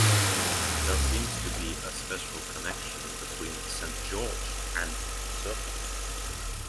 There seems to be a special connection between St. George and serpents.